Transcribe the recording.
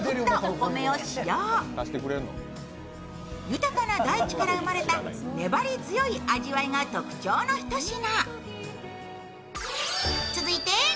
豊かな大地から生まれた粘り強い味わいが特徴のひと品。